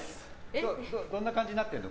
どんな感じになってるの？